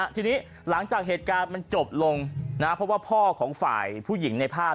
ทีนี้หลังจากเหตุการณ์มันจบลงเพราะว่าพ่อของฝ่ายผู้หญิงในภาพ